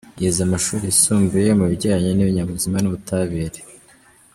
Yize amashuri yisumbuye mu bijyanye n’ibinyabuzima n’ubutabire.